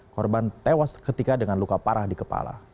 korban tewas ketika dengan luka parah di kepala